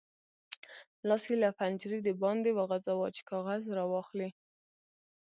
لاس یې له پنجرې د باندې وغځاوو چې کاغذ راواخلي.